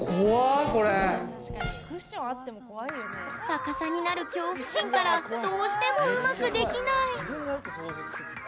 逆さになる恐怖心からどうしても、うまくできない。